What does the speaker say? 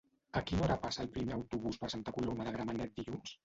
A quina hora passa el primer autobús per Santa Coloma de Gramenet dilluns?